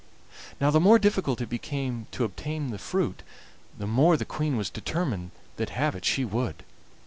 Now the more difficult it became to obtain the fruit, the more the Queen was determined that have it she would.